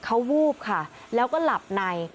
เขาวูบค่ะแล้วก็หลับใน